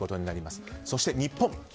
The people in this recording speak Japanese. そして日本。